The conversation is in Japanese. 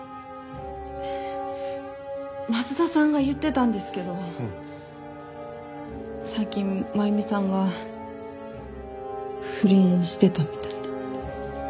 松田さんが言ってたんですけど最近真弓さんが不倫してたみたいで。